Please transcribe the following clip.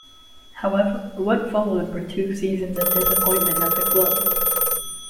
However, what followed were two seasons of disappointment at the club.